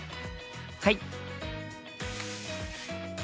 はい！